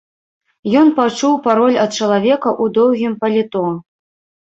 Ён пачуў пароль ад чалавека ў доўгім паліто.